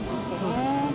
そうですね。